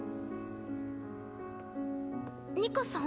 ・ニカさん？